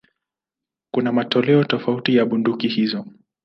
Kuna matoleo tofauti ya bunduki hizo.